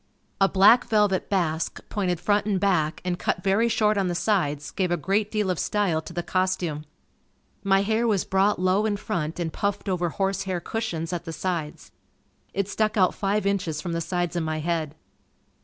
A black velvet basque pointed front and back, and cut very short on the sides gave a great deal of style to the costume. My hair was brought low in front and puffed over horsehair cushions at the sides. It stuck out five inches from the sides of my head.